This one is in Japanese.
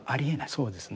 そうですね。